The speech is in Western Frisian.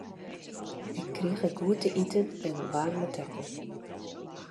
Ik krige goed te iten en in waarme tekken.